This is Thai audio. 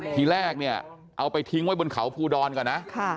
ทีแรกเนี่ยเอาไปทิ้งไว้บนเขาภูดรก่อนนะ